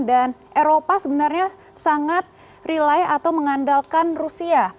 dan eropa sebenarnya sangat rely atau mengandalkan rusia